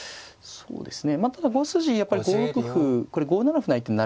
そうですか。